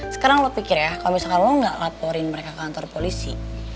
sekarang lo pikir ya kalau misalkan lo gak laporin mereka ke kantor polisi